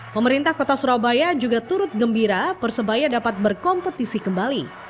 pemerintah kota surabaya juga turut gembira persebaya dapat berkompetisi kembali